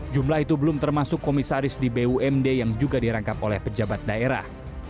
jumlah itu belum termasuk komisaris di bumd yang juga dirangkap oleh pejabat daerah